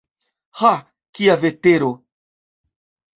Ha, kia vetero!